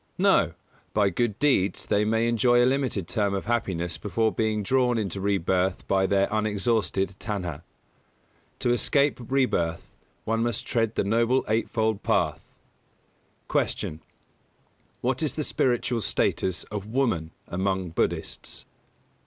No; by good deeds they may enjoy a limited term of happiness before being drawn into rebirth by their unexhausted tanhā. To escape rebirth, one must tread the Noble Eight fold Path. 224. Q. _What is the spiritual status of woman among Buddhists?